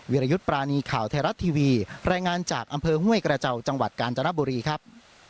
วิรยุทธ์ปรานีข่าวไทยรัฐทีวีรายงานจากอำเภอห้วยกระเจ้าจังหวัดกาญจนบุรีครับ